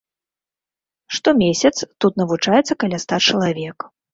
Штомесяц тут навучаецца каля ста чалавек.